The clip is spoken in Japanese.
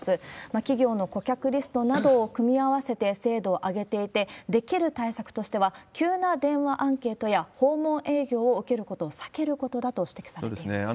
企業の顧客リストなどを組み合わせて精度を上げていて、できる対策としては、急な電話アンケートや訪問営業を受けることを避けることだと指摘そうですね。